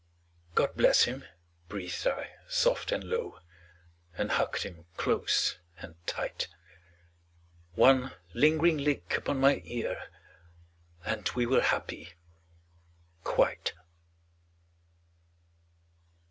"God bless him," breathed I soft and low, And hugged him close and tight. One lingering lick upon my ear And we were happy quite.